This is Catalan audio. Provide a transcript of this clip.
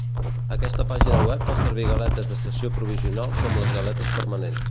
Aquesta pàgina web fa servir galetes de sessió provisional com les galetes permanents.